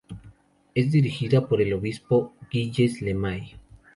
Es dirigida por el obispo Gilles Lemay.